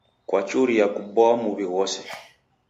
Kwachuria kuboa muw'i ghose.